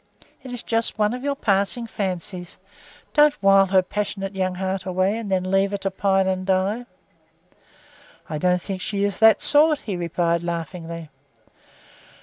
It is just one of your passing fancies. Don't wile her passionate young heart away and then leave her to pine and die." "I don't think she is that sort," he replied laughingly.